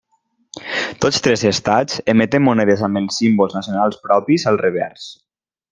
Tots tres estats emeten monedes amb els símbols nacionals propis al revers.